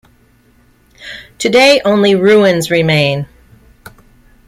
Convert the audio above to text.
Today only ruins remain.